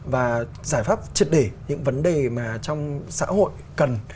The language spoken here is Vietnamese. và giải pháp triệt để những vấn đề mà trong xã hội cần